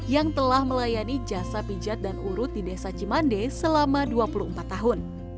yang telah melayani jasa pijat dan urut di desa cimande selama dua puluh empat tahun